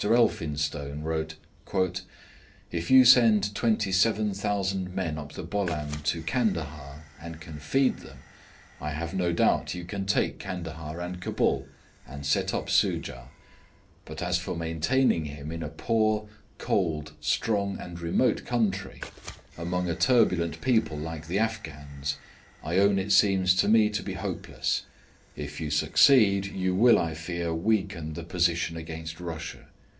Elphinstone wrote: 'If you send 27,000 men up the Bolam to Candahar, and can feed them, I have no doubt you can take Candahar and Cabul and set up Soojah, but as for maintaining him in a poor, cold, strong, and remote country, among a turbulent people like the Afghans, I own it seems to me to be hopeless. If you succeed you will I fear weaken the position against Russia.